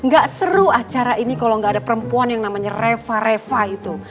gak seru acara ini kalau nggak ada perempuan yang namanya reva reva itu